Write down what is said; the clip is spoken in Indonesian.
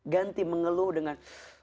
ganti mengeluh dengan